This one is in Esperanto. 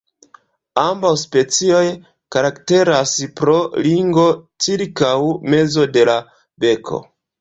Ambaŭ specioj karakteras pro ringo cirkaŭ mezo de la beko.